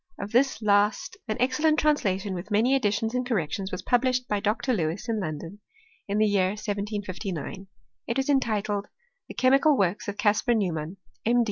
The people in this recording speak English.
Of this last an excellent translation, with many additions and corrections, was published by Dr. Lewis, in London, in the year 1759; it was entitled, " The Chemical Works of Caspar Neumann, M.